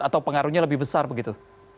atau pengaruhnya lebih besar begitu